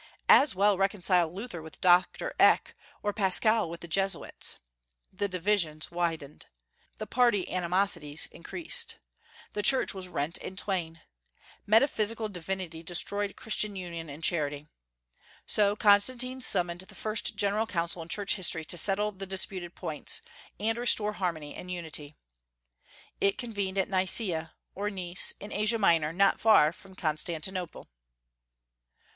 As well reconcile Luther with Dr. Eck, or Pascal with the Jesuits! The divisions widened. The party animosities increased. The Church was rent in twain. Metaphysical divinity destroyed Christian union and charity. So Constantine summoned the first general council in Church history to settle the disputed points, and restore harmony and unity. It convened at Nicaea, or Nice, in Asia Minor, not far from Constantinople.